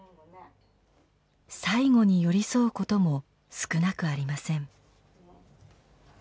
最期に寄り添うことも少なくありません。